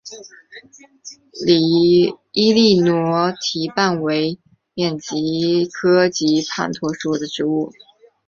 伊犁驼蹄瓣为蒺藜科驼蹄瓣属的植物。